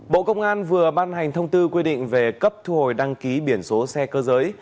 bộ công an vừa ban hành thông tư quy định về cấp thu hồi đăng ký biển số xe cơ giới